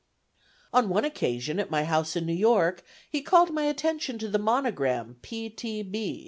T.) On one occasion, at my house in New York, he called my attention to the monogram, P. T. B.